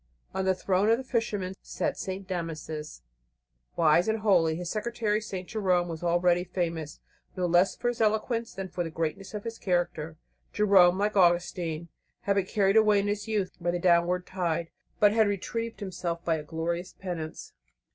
On the Throne of the Fisherman sat St. Damasus, wise and holy. His secretary, St. Jerome, was already famous, no less for his eloquence than for the greatness of his character. Jerome, like Augustine, had been carried away in his youth by the downward tide, but had retrieved himself by a glorious penance.